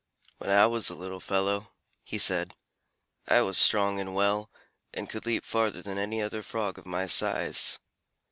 "When I was a little fellow," he said, "I was strong and well, and could leap farther than any other Frog of my size.